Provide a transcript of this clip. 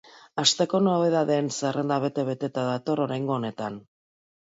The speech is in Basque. Asteko nobedadeen zerrenda bete-beteta dator oraingo honetan.